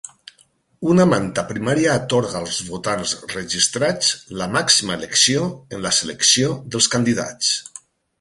Una manta primària atorga als votants registrats la màxima elecció en la selecció dels candidats.